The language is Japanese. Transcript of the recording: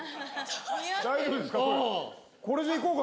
大丈夫ですか？